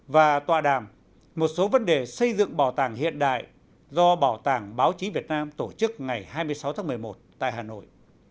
và tọa đàm một số vấn đề xây dựng bảo tàng hiện đại do bảo tàng báo chí việt nam tổ chức ngày hai mươi sáu tháng một mươi một tại hà nội